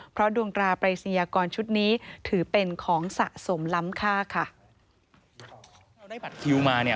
เพราะดวงตราปรายศิยากรชุดนี้ถือเป็นของสะสมล้ำค่าค่ะเราได้ปัดคิวมาเนี่ย